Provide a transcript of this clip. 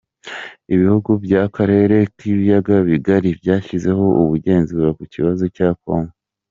Ibihugu by’akarere k’ibiyaga bigari byashyizeho ubugenzuzi ku kibazo cya kongo